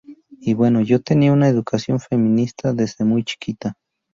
Y bueno, yo tenía una educación feminista desde muy chiquita".